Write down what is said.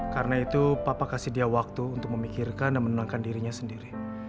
karena itu papa kasih dia waktu untuk memikirkan dan menenangkan dirinya sendiri